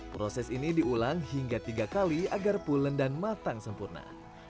proses ini diulang hingga tiga kali agar pulen dan matang sempurna